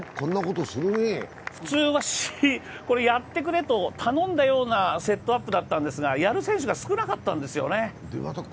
普通は、これやってくれと頼んだようなセットアップだったんですが、やる選手が少なかったんですよね。